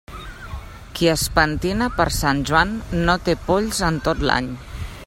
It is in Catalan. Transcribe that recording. Qui es pentina per Sant Joan no té polls en tot l'any.